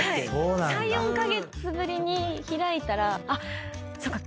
３４カ月ぶりに開いたらそっか。